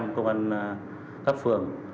một trăm linh công an các phường